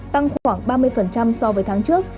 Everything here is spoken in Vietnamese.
tăng khoảng ba mươi so với tháng trước